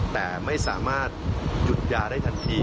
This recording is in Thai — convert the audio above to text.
แต่ไม่สามารถหยุดยาได้ทันที